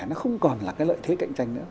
nó không còn là cái lợi thế cạnh tranh nữa